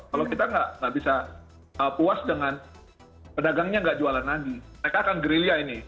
kalau kita nggak bisa puas dengan pedagangnya nggak jualan lagi mereka akan gerilya ini